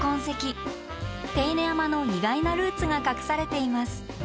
手稲山の意外なルーツが隠されています。